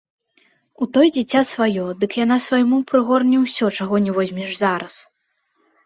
У той дзіця сваё, дык яна свайму прыгорне ўсё, чаго не возьмеш зараз!